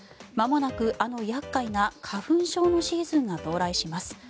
まもなく、あの厄介な花粉症のシーズンが到来します。